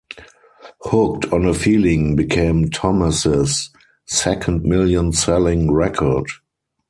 "Hooked on a Feeling" became Thomas's second million-selling record.